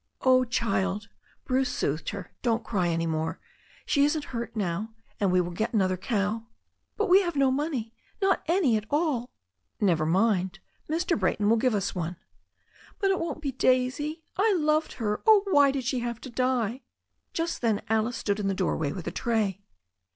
"Oh, child," Bruce soothed her, "don't cry any more. She isn't hurt now. And we will get another cow." "But we have no money, not any at all." "Never mind. Mr. Brayton will give us one." "But it won't be Daisy. I loved her. Oh, why did she have to die?" Just then Alice stood in the doorway with a tray.